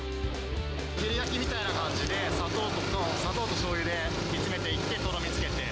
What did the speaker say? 照り焼きみたいな感じで、砂糖としょうゆで煮詰めていって、とろみつけて。